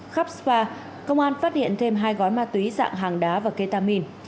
khắp spa công an phát hiện thêm hai gói ma túy dạng hàng đá và ketamin